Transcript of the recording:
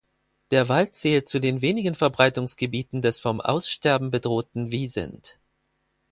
Der Wald zählt zu den wenigen Verbreitungsgebieten des vom Aussterben bedrohten Wisent.